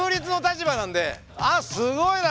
あっすごいな。